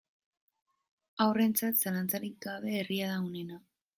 Haurrentzat, zalantzarik gabe, herria da onena.